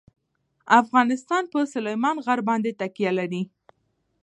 افغانستان په سلیمان غر باندې تکیه لري.